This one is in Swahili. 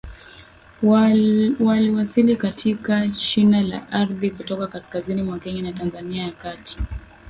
wliwasili katika shina la ardhi kutoka kaskazini mwa Kenya na Tanzania ya kati